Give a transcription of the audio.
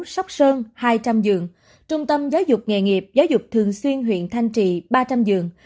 sóc sơn hai trăm linh dường trung tâm giáo dục nghề nghiệp giáo dục thường xuyên huyện thanh trị ba trăm linh dường